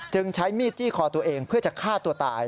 ใช้มีดจี้คอตัวเองเพื่อจะฆ่าตัวตาย